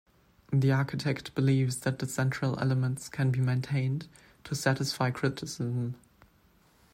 The architect believes that the central elements can be maintained to satisfy criticism.